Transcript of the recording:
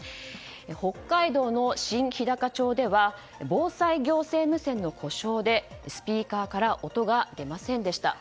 北海道の新ひだか町では防災行政無線の故障でスピーカーから音が出ませんでした。